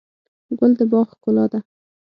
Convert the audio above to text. ګل د باغ ښکلا ده.